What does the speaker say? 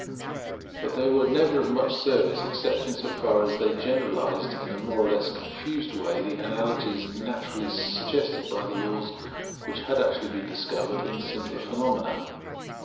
But they were never of much service, except so far as they generalized in a more or less confused way the analogies naturally suggested by the laws which had actually been discovered in simpler phenomena.